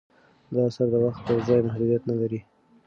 دا اثر د وخت او ځای محدودیت نه لري.